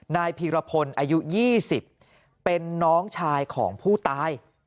นายพีรพลอายุ๒๐เป็นน้องชายของผู้ตาย